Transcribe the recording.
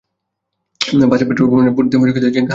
বাসে পেট্রলবোমায় পুড়ে মরতে পারি জেনেও হাসি হাসি মুখে অফিসে যাই।